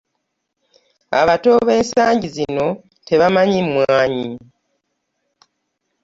Abato b'ensangi zino tebamanyi mwanyi.